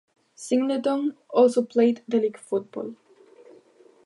Singleton also played league football.